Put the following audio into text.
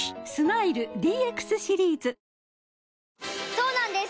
そうなんです